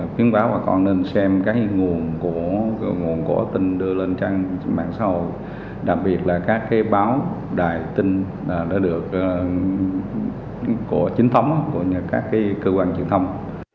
khuyến cáo bà con nên xem các nguồn của tin đưa lên trang mạng xã hội đặc biệt là các báo đài tin đã được chính thống của các cơ quan truyền thông